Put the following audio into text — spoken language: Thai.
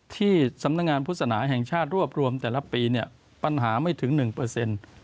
ที่สำนักงานพุทธศนาแห่งชาติรวบรวมแต่ละปีเนี่ยปัญหาไม่ถึงหนึ่งเปอร์เซ็นต์